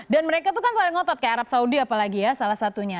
mereka tuh kan saling ngotot kayak arab saudi apalagi ya salah satunya